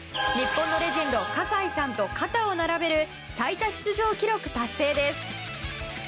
日本のレジェンド、葛西さんと肩を並べる最多出場記録達成です。